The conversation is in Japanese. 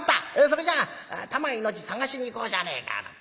それじゃ『たま命』捜しに行こうじゃねえか！」。